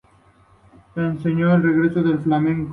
Ese año regresó al Flamengo.